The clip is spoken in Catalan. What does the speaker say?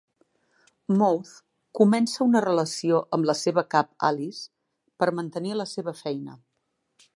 Mouth comença una relació amb la seva cap Alice per mantenir la seva feina.